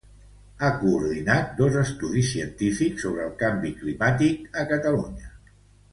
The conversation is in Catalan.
Ha coordinat dos estudis científics sobre el canvi climàtic a Catalunya.